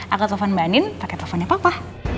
aku telepon mbak andin pake teleponnya papa